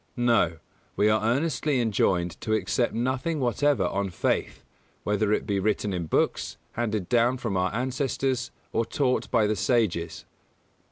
No: we are earnestly enjoined to accept nothing whatever on faith; whether it be written in books, handed down from our ancestors, or taught by the sages.